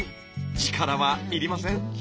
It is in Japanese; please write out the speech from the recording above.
力は要りません。